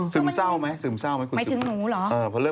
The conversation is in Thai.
ซึมเศร้าไหมซึมเศร้าไหมคุณซึม